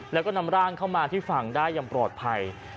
แล้วก็นำร่างเข้ามาที่ฝั่งได้อย่างปลอดภัย